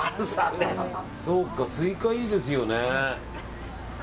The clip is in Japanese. そうかスイカいいですよね。